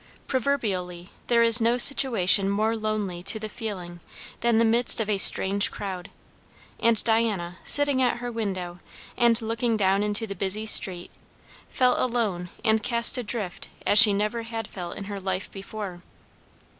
Proverbially there is no situation more lonely to the feeling than the midst of a strange crowd; and Diana, sitting at her window and looking down into the busy street, felt alone and cast adrift as she never had felt in her life before.